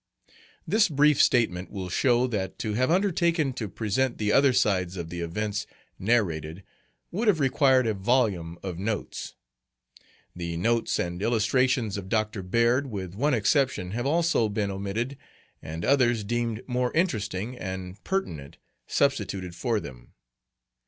This brief statement will show that to have undertaken to present the other sides of the events narrated would have required a volume of notes. The "Notes and Illustrations" of Dr. Beard, with one exception, have, also, been omitted, and others deemed more interesting and pertinent substituted for them.